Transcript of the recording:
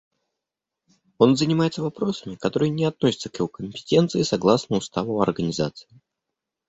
Он занимается вопросами, которые не относятся к его компетенции согласно Уставу Организации.